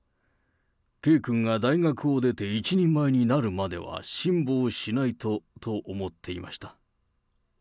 圭君が大学を出て一人前になるまでは辛抱しないとと思っていまし